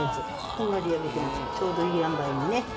こんがり焼けてちょうどいいあんばいにね。